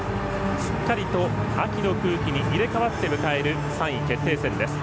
すっかりと秋の空気に入れ代わって迎える３位決定戦です。